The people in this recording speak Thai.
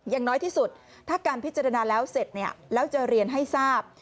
อย่างน้อยที่สุดถ้าการพิจารณาแล้วเสร็จเนี่ยแล้วจะเรียนให้ทราบ